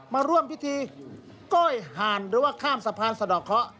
มาร่วมพิธีก้อยห่านหรือว่าข้ามสะพานศักดิ์สิทธิ์สะดอกเค้า